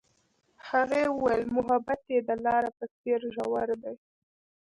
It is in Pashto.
هغې وویل محبت یې د لاره په څېر ژور دی.